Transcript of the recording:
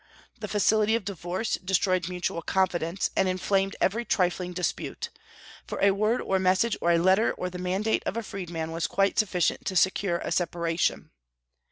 The facility of divorce destroyed mutual confidence, and inflamed every trifling dispute; for a word or a message or a letter or the mandate of a freedman was quite sufficient to secure a separation.